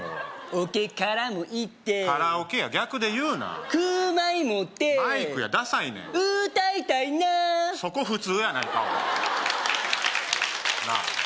オケカラも行ってカラオケや逆で言うなクーマイ持ってマイクやダサいねんうーたいたいなそこ普通やないかおいなあ